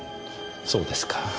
そうですか。